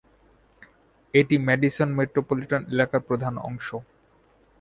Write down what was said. এটি Madison metropolitan এলাকার প্রধান অংশ।